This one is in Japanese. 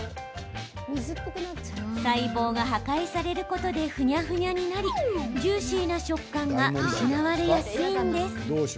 細胞が破壊されることでふにゃふにゃになりジューシーな食感が失われやすいんです。